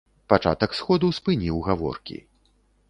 Пачатак сходу спыніў гаворкі.